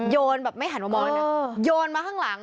โยนแบบไม่หันมามองเลยนะโยนมาข้างหลัง